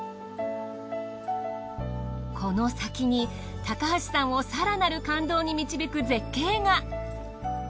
この先に高橋さんを更なる感動に導く絶景が。